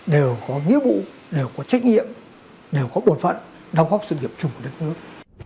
đều có nghĩa vụ đều có trách nhiệm đều có bổn phận đóng góp sự nghiệp chung của đất nước